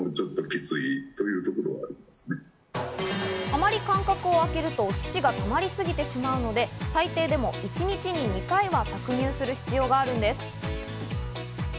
あまり間隔をあけるとお乳が止まりすぎてしまうので、最低でも一日２回は搾乳する必要があるんです。